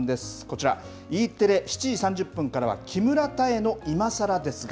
こちら、Ｅテレ７時３０分からは木村多江の、いまさらですが。